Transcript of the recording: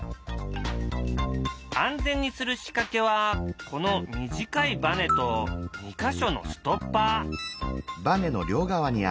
安全にする仕掛けはこの短いバネと２か所のストッパー。